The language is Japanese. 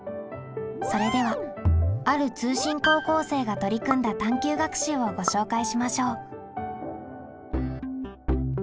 それではある通信高校生が取り組んだ探究学習をご紹介しましょう。